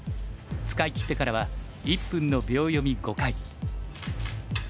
使いきってからは１分の秒読み５回。